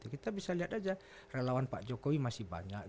kita bisa lihat aja relawan pak jokowi masih banyak